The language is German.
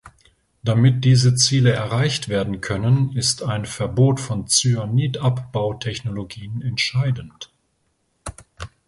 Damit diese Ziele erreicht werden können, ist ein Verbot von Zyanidabbautechnologien entscheidend.